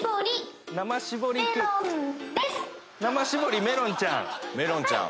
生搾りメロンちゃん。